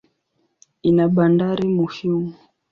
Ina bandari muhimu.